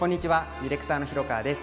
ディレクターの廣川です。